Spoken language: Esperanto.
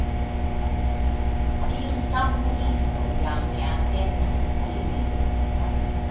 Tiu tamburisto, jam ne atentas ilin.